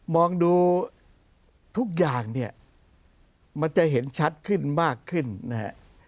มองดูทุกอย่างเนี่ยมันจะเห็นชัดขึ้นมากขึ้นนะฮะ